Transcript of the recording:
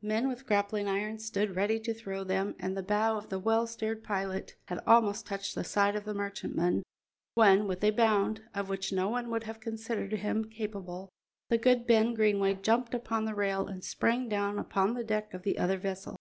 Men with grappling irons stood ready to throw them, and the bow of the well steered pirate had almost touched the side of the merchantman, when, with a bound, of which no one would have considered him capable, the good Ben Greenway jumped upon the rail and sprang down upon the deck of the other vessel.